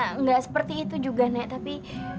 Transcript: ya ga seperti itu juga nek tapi